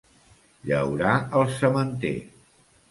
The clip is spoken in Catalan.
Llaurar el sementer.